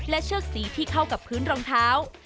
เชือกสีที่เข้ากับพื้นรองเท้า